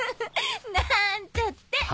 なんちゃって。